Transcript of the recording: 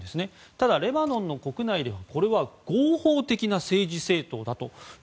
ただレバノンの国内ではこれは合法的な政治政党だと。